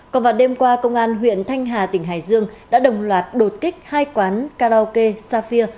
còn vào đêm qua công an huyện thanh hà tỉnh hải dương đã đồng loạt đột kích hai quán karaoke xafir